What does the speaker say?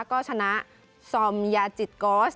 ก็ชนะซอมยาจิตกอส